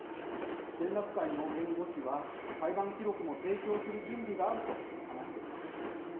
連絡会の弁護士は「裁判記録も提供する準備がある」と話しています。